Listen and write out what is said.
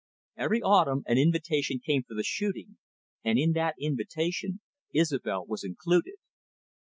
Every autumn an invitation came for the shooting, and in that invitation Isobel was included.